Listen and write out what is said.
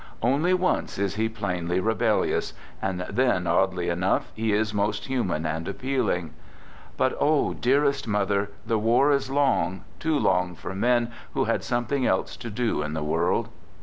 Only once is he plainly rebellious — and then, oddly enough, he is most human and appealing. " But, oh dearest mother, the war is long, too long for men who had something else to do in the world